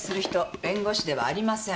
弁護士ではありません。